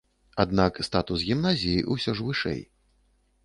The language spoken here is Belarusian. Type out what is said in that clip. Аднак статус гімназіі ўсё ж вышэй.